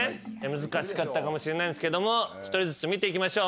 難しかったかもしれないんですけども一人ずつ見ていきましょう。